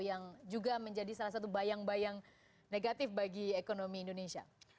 yang juga menjadi salah satu bayang bayang negatif bagi ekonomi indonesia